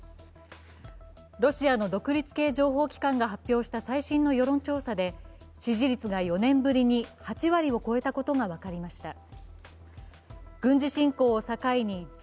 ロシアの独立系情報機関が発表した最新の世論調査で支持率が４年ぶりに８割を超えたことが分かりました。